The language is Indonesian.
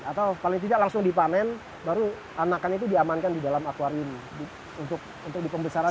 atau paling tidak langsung dipanen baru anakan itu diamankan di dalam akwarium untuk di pembesaran